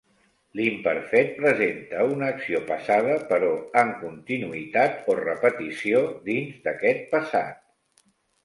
L'imperfet presenta una acció passada però en continuïtat o repetició dins d'aquest passat.